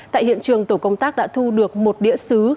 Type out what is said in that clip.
tại hiện trường tổ công tác đã thu được một đĩa xứ